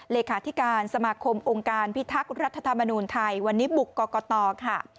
เลขาธิการสมาคมองค์การพิทักษ์รัฐธรรมนูญไทยวันนี้บุกกรกตค่ะ